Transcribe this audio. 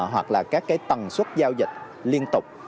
hoặc là các cái tầng suất giao dịch liên tục